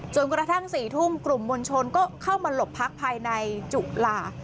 กระทั่ง๔ทุ่มกลุ่มมวลชนก็เข้ามาหลบพักภายในจุฬา